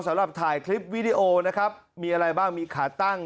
สำหรับถ่ายคลิปวิดีโอนะครับมีอะไรบ้างมีขาตั้ง